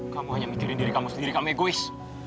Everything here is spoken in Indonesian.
kamu hanya mikirin diri kamu sendiri kamu egois